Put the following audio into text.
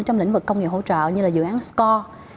trong lĩnh vực công nghiệp hỗ trợ như là dự án score